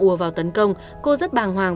ùa vào tấn công cô rất bàng hoàng